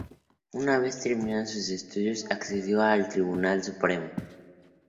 Una vez terminado sus estudios accedió al Tribunal Supremo.